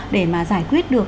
để giải quyết được